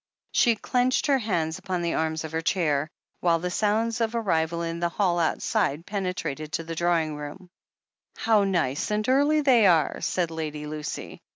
She clenched her hands upon the arms of her chair ii if THE HEEL OF ACHILLES 463 while the sounds of arrival in the hall outside pene trated to the drawing room. How nice and early they are!" said Lady Lucy.